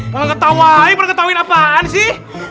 malah ketawain malah ketawain apaan sih